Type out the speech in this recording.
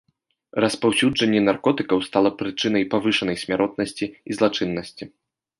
Распаўсюджанне наркотыкаў стала прычынай павышанай смяротнасці і злачыннасці.